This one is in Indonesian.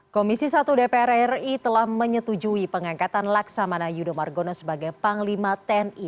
komisi satu dpr ri telah menyetujui pengangkatan laksamana yudho margono sebagai panglima tni